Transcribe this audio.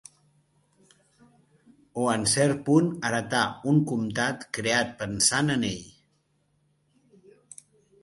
O en cert punt heretà un comtat creat pensant en ell.